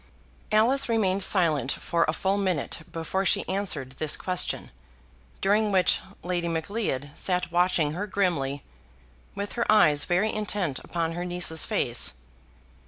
Alice remained silent for a full minute before she answered this question, during which Lady Macleod sat watching her grimly, with her eyes very intent upon her niece's face.